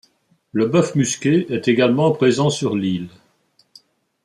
Le bœuf musqué est également présent sur l'île.